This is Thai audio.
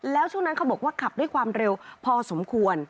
แล้วช่วงนั้นเขาบอกว่าขับด้วยความเร็วพอสมควร